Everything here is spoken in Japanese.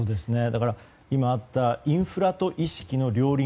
だから今あったインフラと意識の両輪。